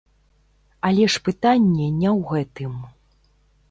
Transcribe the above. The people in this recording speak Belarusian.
Але ж пытанне не ў гэтым.